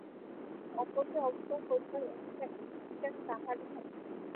অপরকে অবজ্ঞা করিবার অধিকার এখন যেন তাহারই হাতে।